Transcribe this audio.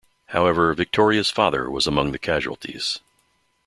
However, Victoria's father was among the casualties.